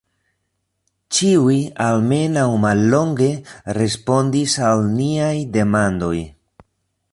Ĉiuj almenaŭ mallonge respondis al niaj demandoj.